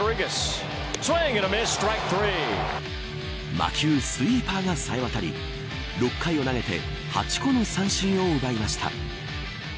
魔球スイーパーがさえ渡り６回を投げて８個の三振を奪いました。